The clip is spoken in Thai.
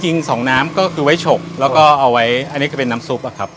สองน้ำก็คือไว้ฉกแล้วก็เอาไว้อันนี้ก็เป็นน้ำซุปอะครับ